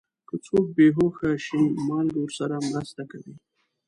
که څوک بې هوښه شي، مالګه ورسره مرسته کوي.